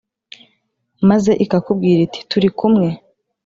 Maze ikakubwira iti turi kumwe